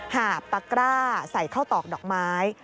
หาบตะกร้าใส่เข้าตอกดอกไม้